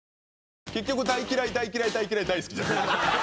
「大嫌い」「大嫌い」「大嫌い」「大好き」じゃないですか。